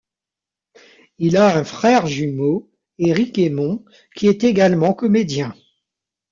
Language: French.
Il a un frère jumeau, Éric Hémon, qui est également comédien.